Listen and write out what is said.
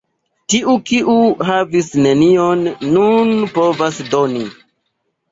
Tiu, kiu havis nenion, nun povas doni.